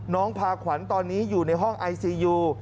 น้องพาขวัญตอนนี้อยู่ในห้องไอซียู